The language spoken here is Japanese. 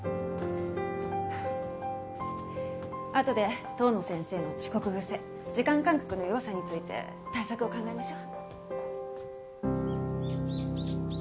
あとで遠野先生の遅刻癖時間感覚の弱さについて対策を考えましょう。